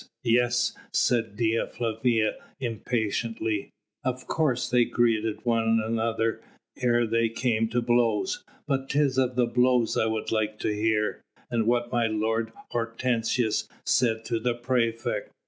yes!" said Dea Flavia impatiently, "of course they greeted one another ere they came to blows. But 'tis of the blows I would like to hear, and what my lord Hortensius said to the praefect."